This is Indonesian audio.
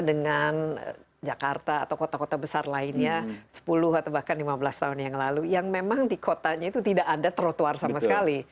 dengan jakarta atau kota kota besar lainnya sepuluh atau bahkan lima belas tahun yang lalu yang memang di kotanya itu tidak ada trotoar sama sekali